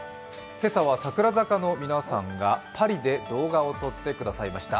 今朝は櫻坂の皆さんがパリで動画を撮ってくださいました。